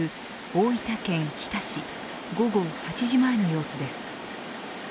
大分県日田市午後８時前の様子です。